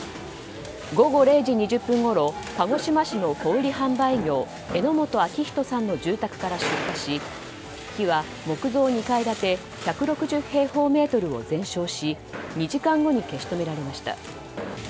午後０時２０分ごろ鹿児島市の小売販売業榎本顕人さんの住宅から出火し火は、木造２階建て１６０平方メートルを全焼し２時間後に消し止められました。